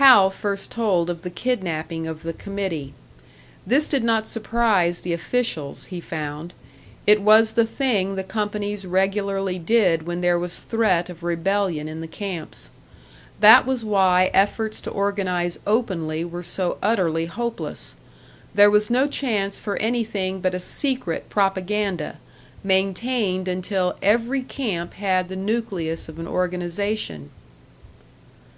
Hal first told of the kidnapping of the committee. This did not surprise the officials, he found; it was the thing the companies regularly did when there was threat of rebellion in the camps. That was why efforts to organise openly were so utterly hopeless. There was no chance for anything but a secret propaganda, maintained until every camp had the nucleus of an organisation.